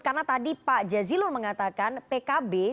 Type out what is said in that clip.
karena tadi pak jazilul mengatakan pkb